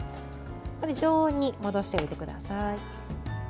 これ常温に戻しておいてください。